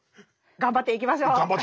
頑張っていきましょう。